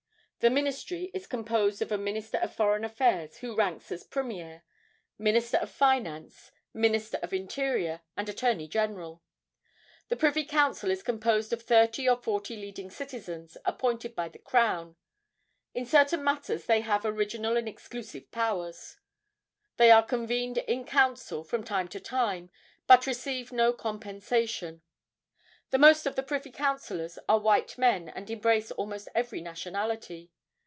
The Ministry is composed of a Minister of Foreign Affairs, who ranks as premier, Minister of Finance, Minister of Interior, and Attorney General. The Privy Council is composed of thirty or forty leading citizens appointed by the Crown. In certain matters they have original and exclusive powers. They are convened in council from time to time, but receive no compensation. The most of the Privy Councillors are white men, and embrace almost every nationality.